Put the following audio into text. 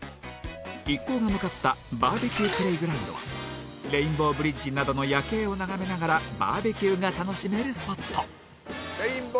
一行が向かった ＢＢＱＰＬＡＹＧＲＯＵＮＤ はレインボーブリッジなどの夜景を眺めながらバーベキューが楽しめるスポット